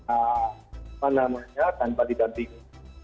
apa namanya tanpa didampingi